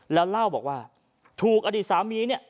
แล้วเล่าบอกว่าถูกอดีตสามีเนี่ย